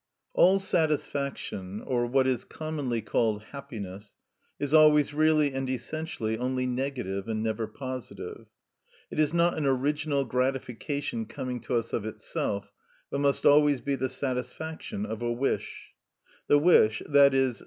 All satisfaction, or what is commonly called happiness, is always really and essentially only negative, and never positive. It is not an original gratification coming to us of itself, but must always be the satisfaction of a wish. The wish, _i.e.